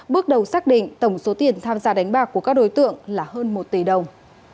bước đầu xác định tổng số tiền tham gia đánh bạc của các đối tượng là hơn một tỷ đồng